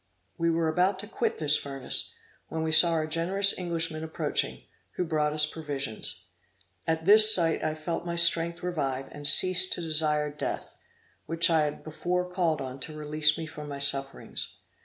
We were about to quit this furnace, when we saw our generous Englishman approaching, who brought us provisions. At this sight I felt my strength revive, and ceased to desire death, which I had before called on to release me from my sufferings.